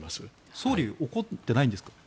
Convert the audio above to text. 総理は怒ってないんですか？